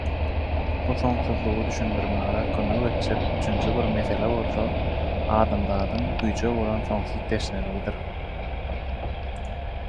Bu soňsuzlygy düşündirmäge kömek etjek üçünji bir mesele bolsa adamzadyň güýje bolan soňsuz teşneligidir.